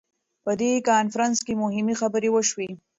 په دې کنفرانس کې مهمې خبرې وشوې.